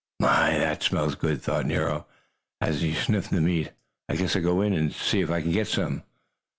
"My, that smells good!" thought Nero, as he sniffed the meat. "I guess I'll go in and see if I can't get some."